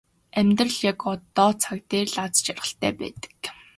Амьдрал яг одоо цаг дээр л аз жаргалтай байдаг.